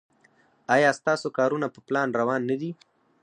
ایا ستاسو کارونه په پلان روان نه دي؟